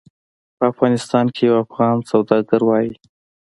په افغانستان کې یو افغان سوداګر وایي.